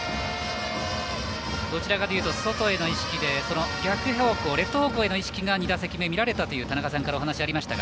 どちらかというと外への意識で逆方向、レフト方向への意識が２打席目に見られたという話が田中さんからありました。